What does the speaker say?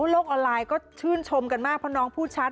โลกออนไลน์ก็ชื่นชมกันมากเพราะน้องพูดชัด